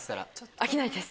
飽きないです。